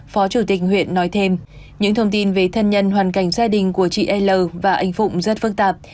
phó chủ tịch huyện nói thêm những thông tin về thân nhân hoàn cảnh gia đình của chị el và anh phụng rất phức tạp